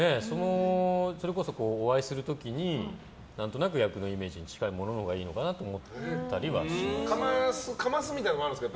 それこそ、お会いする時に何となく役のイメージに近いもののほうがかますみたいなのもあるんですか。